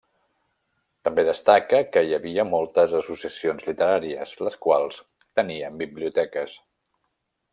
També destaca que hi havia moltes associacions literàries, les quals tenien biblioteques.